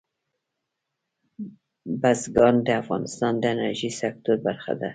بزګان د افغانستان د انرژۍ سکتور برخه ده.